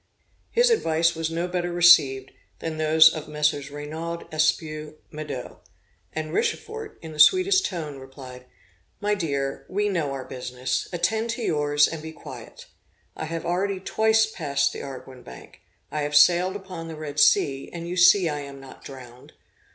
His advice was no better received than those of Messrs. Reynaud, Espiau, Maudet, &c. Richefort, in the sweetest tone, replied, 'My dear, we know our business; attend to yours, and be quiet. I have already twice passed the Arguin Bank; I have sailed upon the Red Sea, and you see I am not drowned.'